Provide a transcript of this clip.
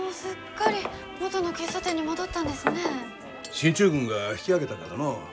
進駐軍が引き揚げたからのう。